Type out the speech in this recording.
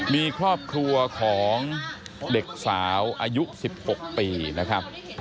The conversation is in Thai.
มีครอบครัวของเด็กสาวอายุ๑๖ปีนะครับ